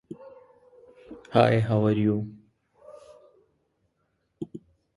Credits are adapted from "Tidal".